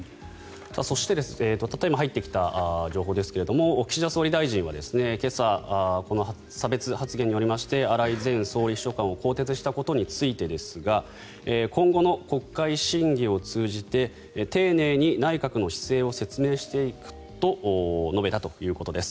そしてたった今入ってきた情報ですが岸田総理大臣は今朝差別発言によりまして荒井前総理秘書官を更迭したことについてですが今後の国会審議を通じて丁寧に内閣の姿勢を説明していくと述べたということです。